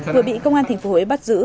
vừa bị công an thành phố huế bắt giữ